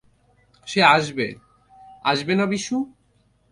সে আসবে, আসবে না, বিশু?